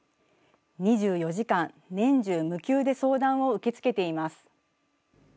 ２４時間年中無休で相談を受け付けています。